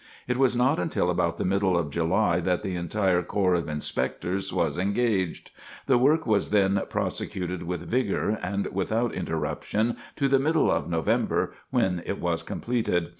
It was not until about the middle of July that the entire corps of Inspectors was engaged. The work was then prosecuted with vigor and without interruption to the middle of November, when it was completed.